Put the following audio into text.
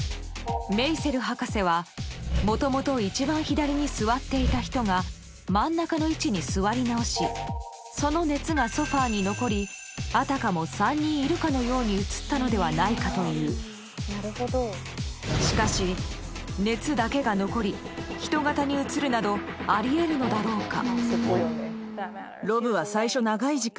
メイセル博士はもともと一番左に座っていた人が真ん中の位置に座り直しその熱がソファーに残りあたかも３人いるかのようにうつったのではないかというしかし熱だけが残り人型にうつるなどありえるのだろうか？